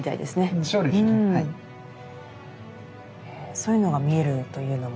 そういうのが見えるというのもね